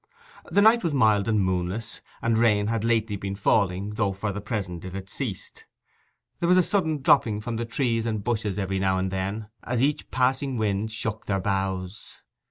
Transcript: The night was mild and moonless, and rain had lately been falling, though for the present it had ceased. There was a sudden dropping from the trees and bushes every now and then, as each passing wind shook their boughs.